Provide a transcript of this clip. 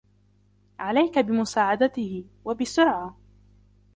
عليك بمساعدته ، و بسرعة.